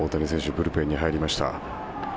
ブルペンに入りました。